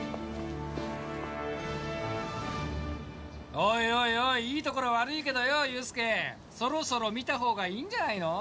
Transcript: おいおいおい、いいところ悪いけどさ、憂助、そろそろ見た方がいいんじゃないの？